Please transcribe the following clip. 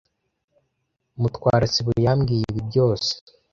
Mutwara sibo yambwiye ibi byose.